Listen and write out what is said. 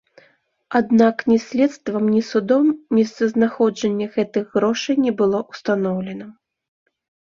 Аднак ні следствам, ні судом месцазнаходжанне гэтых грошай не было ўстаноўлена.